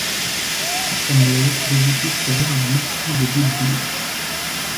À sa mort, l'édifice revient à la marquise de Boudeville.